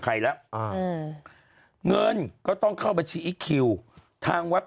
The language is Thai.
ใครแล้วอ่าอืมเงินก็ต้องเข้าบัญชีอีคคิวทางวัด